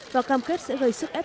và cam kết sẽ gây sức án